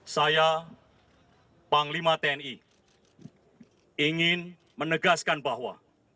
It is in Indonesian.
saya panglima tni ingin menegaskan bahwa